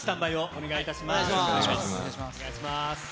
お願いします。